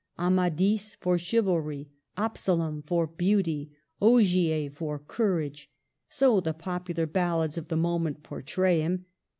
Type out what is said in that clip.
Amadis for chivalry, Absalom for beauty, Ogier for courage, — so the popular ballads of the moment portray him.